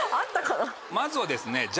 まずはですね。